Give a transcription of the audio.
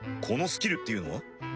このスキルっていうのは？